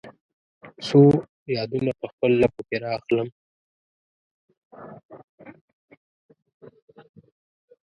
څو یادونه په خپل لپو کې را اخلم